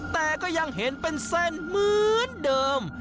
แต่ก็ยังเห็นเป็นเส้นเหมือนเดิม